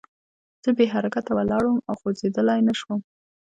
زه بې حرکته ولاړ وم او خوځېدلی نه شوم